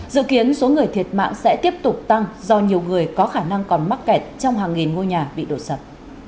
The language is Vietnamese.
dự kiến số người thiệt mạng sẽ tiếp tục tăng do nhiều người có khả năng còn mắc kẹt trong hàng nghìn ngôi nhà bị đổ sập